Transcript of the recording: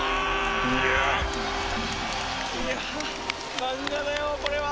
いや漫画だよこれは。